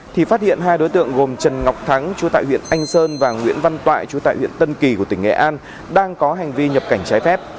thì phát hiện hai đối tượng gồm trần ngọc thắng chú tại huyện anh sơn và nguyễn văn toại chú tại huyện tân kỳ của tỉnh nghệ an đang có hành vi nhập cảnh trái phép